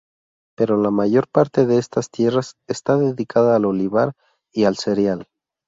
Pero la mayor parte de estas tierras está dedicada al olivar y al cereal.